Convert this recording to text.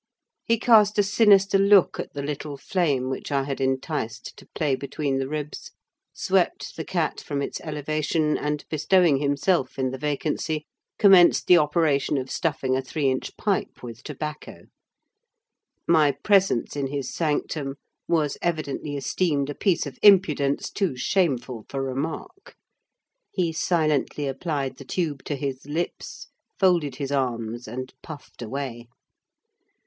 He cast a sinister look at the little flame which I had enticed to play between the ribs, swept the cat from its elevation, and bestowing himself in the vacancy, commenced the operation of stuffing a three inch pipe with tobacco. My presence in his sanctum was evidently esteemed a piece of impudence too shameful for remark: he silently applied the tube to his lips, folded his arms, and puffed away.